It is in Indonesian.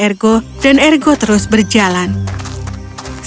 ergo mulai mendengar suara saudaranya di kepalanya